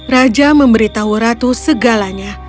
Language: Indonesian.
raja memberitahu ratu segalanya